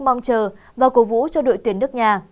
mong chờ và cổ vũ cho đội tuyển nước nhà